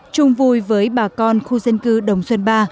chung vui với bà con khu dân cư đồng xuân ba